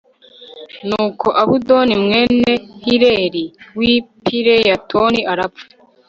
nuko abudoni mwene hileli w'i pireyatoni arapfa